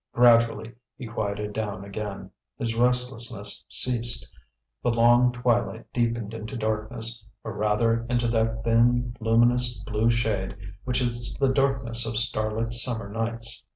Gradually he quieted down again; his restlessness ceased. The long twilight deepened into darkness, or rather into that thin luminous blue shade which is the darkness of starlit summer nights.